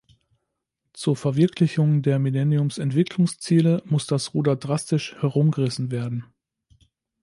Zur Verwirklichung der Millenniums-Entwicklungsziele muss das Ruder drastisch herumgerissen werden.